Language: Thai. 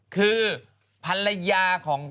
คือภรรยาของ